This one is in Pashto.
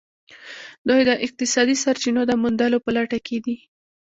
دوی د اقتصادي سرچینو د موندلو په لټه کې دي